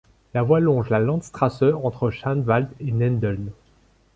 La voie longe la Landstrasse entre Schaanwald et Nendeln.